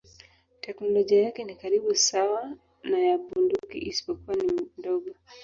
Teknolojia yake ni karibu sawa na ya bunduki isipokuwa ni ndogo.